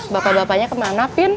bapak bapaknya kemana pin